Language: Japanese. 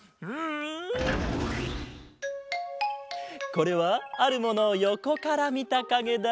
これはあるものをよこからみたかげだ。